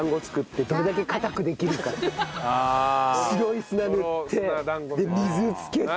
白い砂塗ってで水つけて。